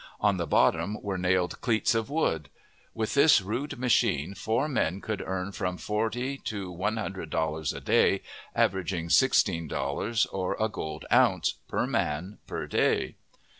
On the bottom were nailed cleats of wood. With this rude machine four men could earn from forty to one hundred dollars a day, averaging sixteen dollars, or a gold ounce, per man per day.